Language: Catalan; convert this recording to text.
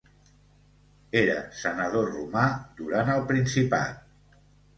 Era senador romà durant el Principat.